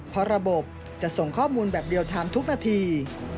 เพราะระบบจะส่งข้อมูลแบบเรียลไทม์ทุกนาที